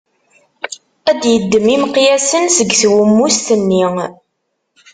Ad d-yeddem imeqyasen seg twemmust-nni.